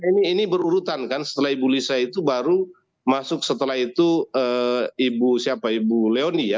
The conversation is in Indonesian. karena ini berurutan kan setelah ibu lisa itu baru masuk setelah itu ibu siapa ibu leoni ya